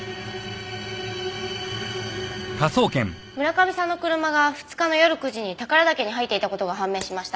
村上さんの車が２日の夜９時に宝良岳に入っていた事が判明しました。